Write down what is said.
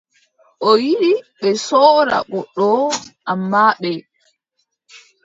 O yiɗi ɓe sooda goɗɗo, ammaa ɓe.